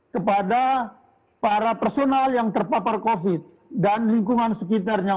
kepada para personal yang terpapar covid dan lingkungan sekitarnya